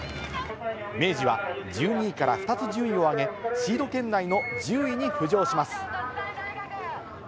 明治は１２位から２つ順位を上げ、シード圏内の１０位に浮上します。